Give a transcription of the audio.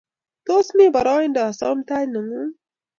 Tos mi boroindo asom tait ne ngung